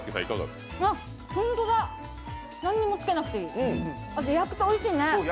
本当だ、何もつけなくていい焼くとおいしいね。